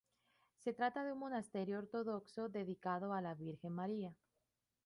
Se trata de un monasterio ortodoxo dedicado a la Virgen María.